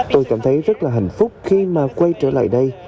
tôi cảm thấy rất là hạnh phúc khi mà quay trở lại đây